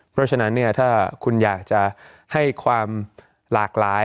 เพราะฉะนั้นถ้าคุณอยากจะให้ความหลากหลาย